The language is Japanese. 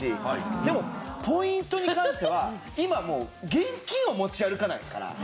でもポイントに関しては今もう現金を持ち歩かないですから。